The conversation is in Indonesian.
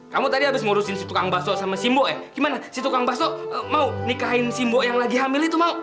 kamu tadi abis ngurusin si tukang baso sama si mbok ya gimana si tukang baso mau nikahin si mbok yang lagi hamil itu mau